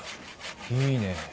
いいね。